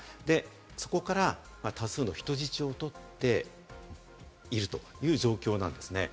そこから多数の人質を取っているという状況なんですね。